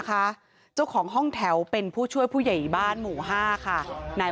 เจ้าของห้องแถวเป็นผู้ช่วยผู้ใหญ่บ้านหมู่ห้าค่ะนาย